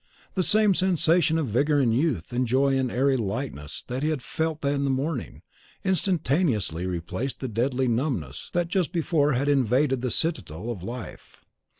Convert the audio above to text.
The same sensation of vigour and youth, and joy and airy lightness, that he had felt in the morning, instantaneously replaced the deadly numbness that just before had invaded the citadel of life.